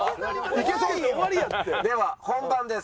では本番です。